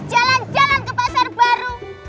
jalan jalan ke pasar baru